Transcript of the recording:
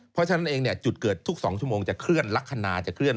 เพราะฉะนั้นเองจุดเกิดทุก๒ชั่วโมงจะเคลื่อนลักษณะจะเคลื่อน